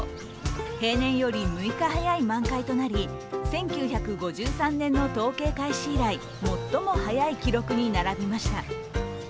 平年より６日早い満開となり１９５３年の統計開始以来、最も早い記録に並びました。